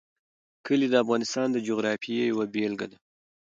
کلي د افغانستان د جغرافیې یوه بېلګه ده.